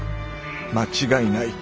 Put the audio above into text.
間違いない。